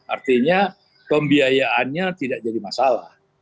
artinya pembiayaannya tidak jadi masalah